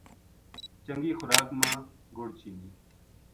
چنگی خوراک ما گُڑ چینی